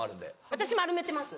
私丸めてます